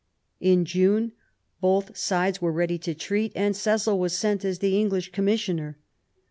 In June both sides were ready to treat, and Cecil was sent as the English Commissioner.